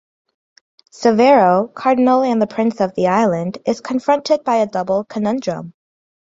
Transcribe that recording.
Severo, Cardinal and Prince of the island, is confronted by a double conundrum.